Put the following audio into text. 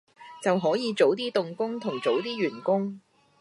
就可以早啲動工同早啲完工